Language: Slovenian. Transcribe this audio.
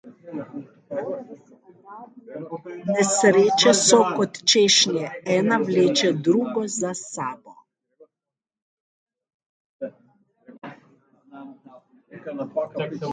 Nesreče so kot češnje, ena vleče drugo za sabo.